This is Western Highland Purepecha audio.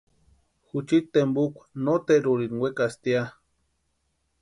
Juchiti tempukwa noterurini wekasïnti ya.